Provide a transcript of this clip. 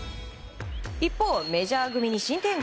一方、メジャー組に新展開。